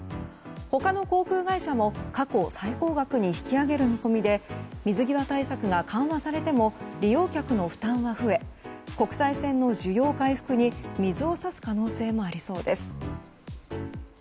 他の航空会社も過去最高額に引き上げる見込みで水際対策が緩和されても利用客の負担は増え国際線の需要回復に水を差す可能性もありそうです。